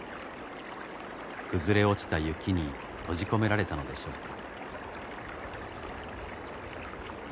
崩れ落ちた雪に閉じ込められたのでしょうか。